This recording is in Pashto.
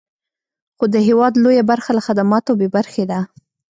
خو د هېواد لویه برخه له خدماتو بې برخې ده.